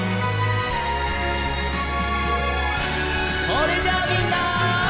それじゃあみんな。